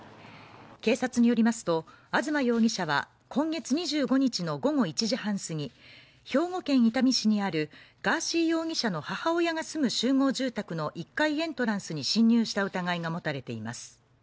警察によりますと東容疑者は今月２５日の午後１時半すぎ、兵庫県伊丹市にあるガーシー容疑者の母親が住む集合住宅の１階エントランスに侵入した疑いが持たれています。